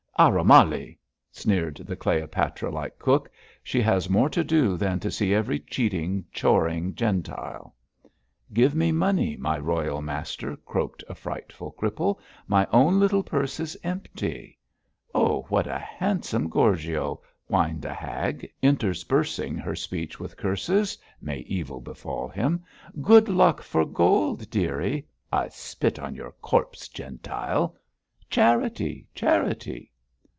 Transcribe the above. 'Arromali!'[B] sneered the Cleopatra like cook. 'She has more to do than to see every cheating, choring Gentile.' [B] Arromali: truly. 'Give me money, my royal master,' croaked a frightful cripple. 'My own little purse is empty.' 'Oh, what a handsome Gorgio!' whined a hag, interspersing her speech with curses. '(May evil befall him!) Good luck for gold, dearie. (I spit on your corpse, Gentile!) Charity! Charity!'